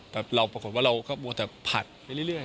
แต่เราปรากฏว่าเราก็มัวแต่ผัดไปเรื่อย